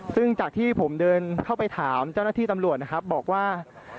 ซึ่งจากที่ผมเดินเข้าไปถามเจ้าหน้าที่ตำรวจนะครับบอกว่า